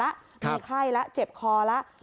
แล้วมีไข้แล้วเจ็บคอแล้วครับ